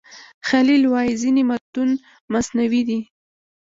خلیل وايي ځینې متون مصنوعي دي.